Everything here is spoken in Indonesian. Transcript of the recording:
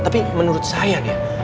tapi menurut saya nih